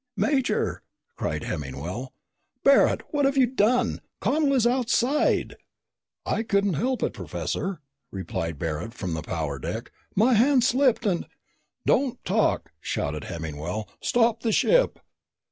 "Major!" cried Hemmingwell. "Barret! What have you done? Connel is outside!" "I couldn't help it, Professor," replied Barret from the power deck. "My hand slipped and " "Don't talk!" shouted Hemmingwell. "Stop the ship!"